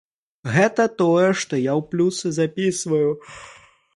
Гэта тое, што я ў плюсы запісваю.